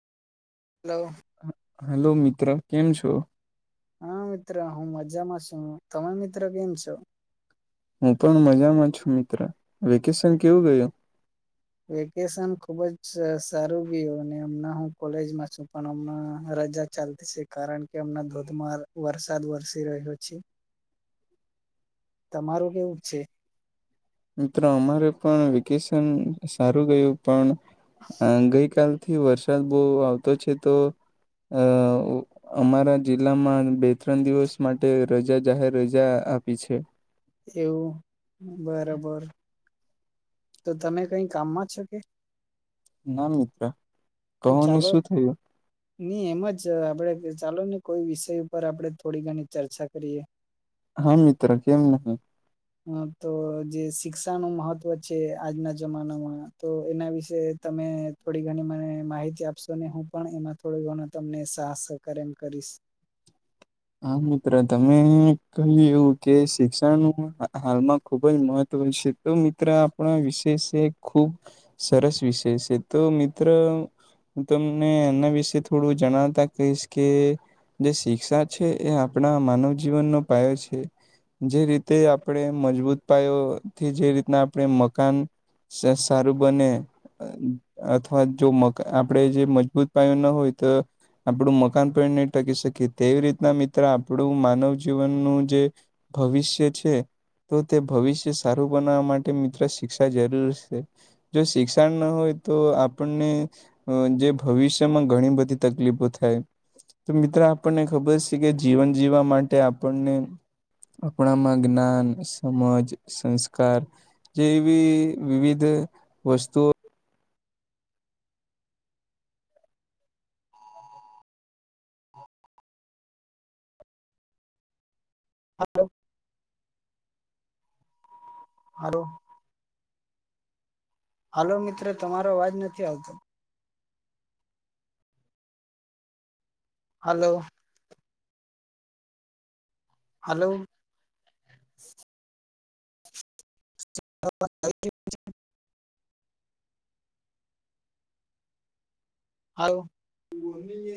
Hello hello, મિત્ર કેમ છો? હા મિત્ર હું મજામાં છું, તમે મિત્રો કેમ છો? હું પણ મજામાં છું, મિત્ર વેકેશન કેવું ગયું? વેકેશન ખુબ જ સ સારું ગયું ને હમણાં હું કોલેજમાં છું પણ હમણા રજા ચાલતી છે કારણ કે હમણાં ધોધમાર વરસાદ વરસી રહ્યો છે. તમારું કેવું છે? મિત્રો અમારે પણ વેકેશન સારું ગયું પણ ગઈકાલ થી વરસાદ બહુ આવતો છે તો અ અમારા જિલ્લામાં બે ત્રણ દિવસ માટે રજા જાહેર રજા આપી છે. એવું બરોબર તો તમે કઈ કામમાં છો કે. ના મિત્ર. કહો તો ને ચાલો. શું થયું નઈ એમ જ આપડે ચાલો ને કોઈ વિષય ઉપર આપણે થોડી ઘણી ચર્ચા કરીએ. હા મિત્ર કેમ નહીિ. હ તો જે શિક્ષાનુંું મહત્વ છે આજના જમાનામાં તો એના વિશે તમે. થોડી ઘણી મને માહિતી આપશો અનેને હું પણ એમાં થોડો ઘણું તમને સાહ સહકાર એમ કરીશ. હા મિત્ર તમે કહ્યું કે શિક્ષણનું હાલમાં ખુબ જ મહત્ત્વ છે. તો મિત્ર આપણા વિષય છે ખુબ સરસ વિષય છે તો મિત્ર. હું તમને એના વિશે થોડું જણાવતા કહીશ કે જે શિક્ષા. છે એ આપણા માનવ જીવનનોો પાયો છે. જે રીતે આપણે મજબૂત પાયોથી જે રીતના આપણે મકાન. સારું બને. અથવા જો મ આપણેે જે મજબૂત પાયો ના હોય તો. આપડું મકાન પણ નહીં ટકી શકીએ તેવી રીતે. ના મિત્ર આપણું માનવ જીવનનું જે ભવિષ્ય છે. તો તે ભવિષ્ય સારું બનાવવા માટે મિત્ર શિક્ષા જરૂર છે. જો શિક્ષણ ના હોય તો આપણને. જે ભવિષ્યમાં ઘણી બધી તકલીફો થાય તો મિત્ર આપણને ખબર છે. કે જીવન જીવવા માટે આપણને. આપણામાં જ્ઞાન સમજ સંસ્કાર. જે બી વિવિધ વસ્તુઓ. હલો. હાર [inaudible] હાલો મિત્ર તમારો અવાજ નથી આવતો [inaudible] હલો [inaudible] હલોો હ [inaudible] [inaudible] [inaudible] હ બો [inaudible]